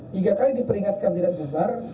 tiga kali diperingatkan tidak bubar